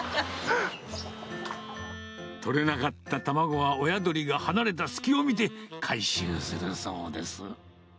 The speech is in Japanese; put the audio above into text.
取れなかった卵は親鳥が離れた隙を見て回収するそうです。